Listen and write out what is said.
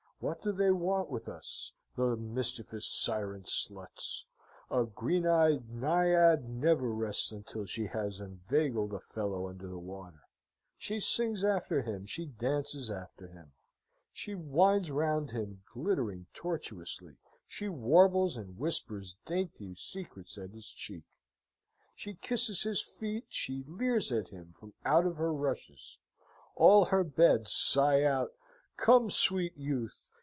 What do they want with us, the mischievous siren sluts? A green eyed Naiad never rests until she has inveigled a fellow under the water; she sings after him, she dances after him; she winds round him, glittering tortuously; she warbles and whispers dainty secrets at his cheek, she kisses his feet, she leers at him from out of her rushes: all her beds sigh out, "Come, sweet youth!